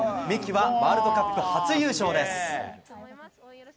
三木はワールドカップ初優勝です。